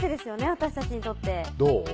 私たちにとってどう？